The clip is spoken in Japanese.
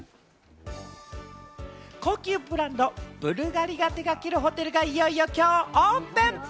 高級ブランド・ブルガリが手がけるホテルがいよいよ今日オープン。